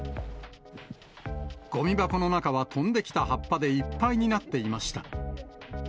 ごみ箱の中は飛んできた葉っぱでいっぱいになっていました。